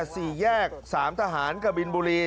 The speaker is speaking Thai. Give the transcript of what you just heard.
สี่แยกสามทหารกบินบุรี